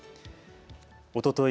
おととい